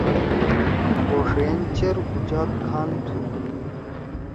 کوݜئین چیر اُچات کھان تُھو۔